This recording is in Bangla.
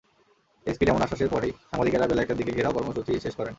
এসপির এমন আশ্বাসের পরই সাংবাদিকেরা বেলা একটার দিকে ঘেরাও কর্মসূচি শেষ করেন।